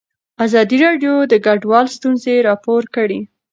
ازادي راډیو د کډوال ستونزې راپور کړي.